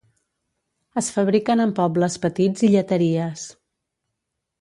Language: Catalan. Es fabriquen en pobles petits i lleteries.